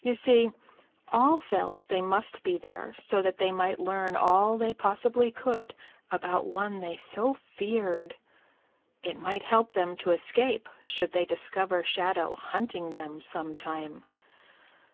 You see, all felt they must be there so that they might learn all they possibly could about one they so feared. It might help them to escape should they discover Shadow hunting them sometime.